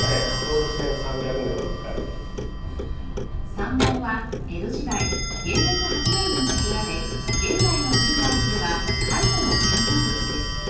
山門は江戸時代元禄８年に建てられ現在の深大寺では最古の建造物です。